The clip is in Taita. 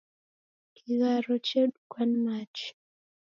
Kigharo chedukwa ni machi